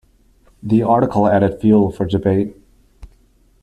The article added fuel for debate.